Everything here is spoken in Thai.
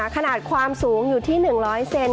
ขนาดความสูงอยู่ที่๑๐๐เซน